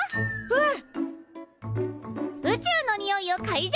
うん。